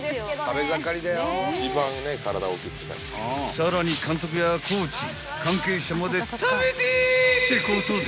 ［さらに監督やコーチ関係者まで食べてえ！ってことで］